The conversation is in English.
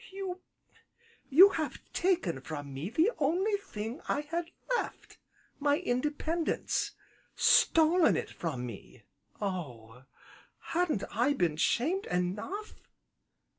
You you have taken from me the only thing I had left my independence, stolen it from me! Oh! hadn't I been shamed enough?"